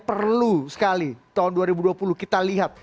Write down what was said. perlu sekali tahun dua ribu dua puluh kita lihat